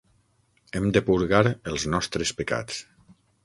Hem de purgar els nostres pecats.